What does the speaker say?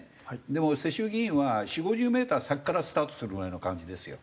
でも世襲議員は４０５０メーター先からスタートするぐらいの感じですよ。